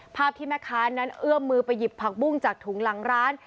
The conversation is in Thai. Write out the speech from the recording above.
ภาพที่แม่ค้านั้นเอื้อมมือไปหยิบผักบุ้งจากถุงหลังร้าน